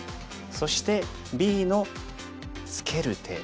そしてＢのツケる手。